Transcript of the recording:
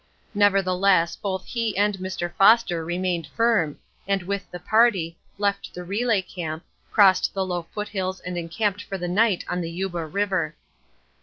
Nevertheless both he and Mr. Foster remained firm, and with the party, left the relay camp, crossed the low foothills and encamped for the night on the Yuba River.